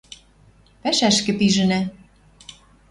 Пӓшӓшкӹ пижӹнӓ